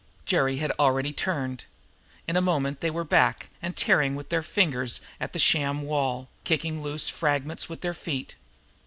Jerry had already turned. In a moment they were back and tearing with their fingers at the sham wall, kicking loose fragments with their feet.